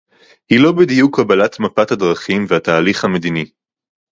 היא לא בדיוק קבלת מפת הדרכים והתהליך המדיני